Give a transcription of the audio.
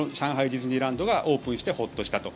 ディズニーランドがオープンしてホッとしたと。